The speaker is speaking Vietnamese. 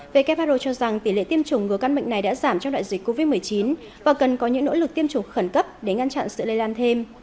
who cho rằng tỷ lệ tiêm chủng ngừa căn bệnh này đã giảm trong đại dịch covid một mươi chín và cần có những nỗ lực tiêm chủng khẩn cấp để ngăn chặn sự lây lan thêm